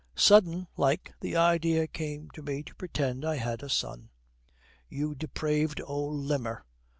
'Sudden like the idea came to me to pretend I had a son.' 'You depraved old limmer!